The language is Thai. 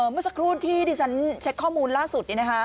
เมื่อสักครูชที่เราเช็คข้อมูลล่าสุด